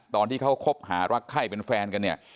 ตอนที่เขาคบหารักไข้เป็นแฟนกันเนี่ย